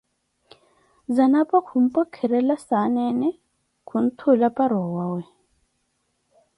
Zanapo khumpwekerela saneene, kunthuula para owawe.